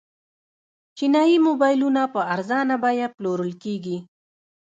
چینايي موبایلونه په ارزانه بیه پلورل کیږي.